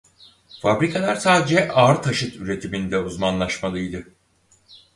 Fabrikalar sadece ağır taşıt üretiminde uzmanlaşmalıydı.